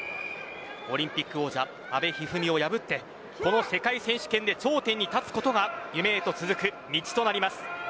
オリンピック王者阿部一二三を破ってこの世界選手権で頂点に立つことが夢へと続く道となります。